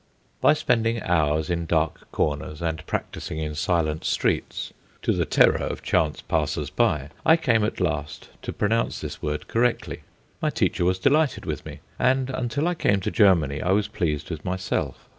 By spending hours in dark corners, and practising in silent streets, to the terror of chance passers by, I came at last to pronounce this word correctly. My teacher was delighted with me, and until I came to Germany I was pleased with myself.